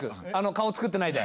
顔つくってないで。